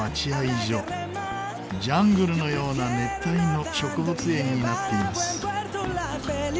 ジャングルのような熱帯の植物園になっています。